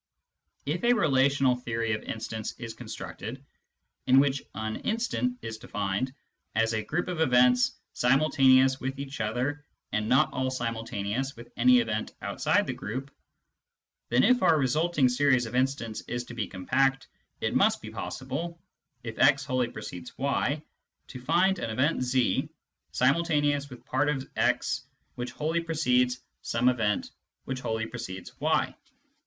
If a relational theory of instants is constructed, in which an "instant" is defined as a group of events simultaneous with each other and not all simultaneous with any event outside the group, then if our resulting series of instants is to be compact, it must be possible, if X wholly precedes y^ to find an event %, simultaneous with part of a:, which wholly precedes some event which wholly precedes y.